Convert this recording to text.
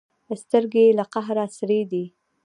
سترګې یې له قهره سرې دي.